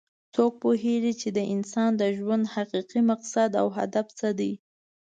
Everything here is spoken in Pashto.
څوک پوهیږي چې د انسان د ژوند حقیقي مقصد او هدف څه ده